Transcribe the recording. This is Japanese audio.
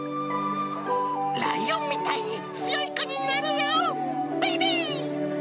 ライオンみたいに強い子になれよ、ベイベー！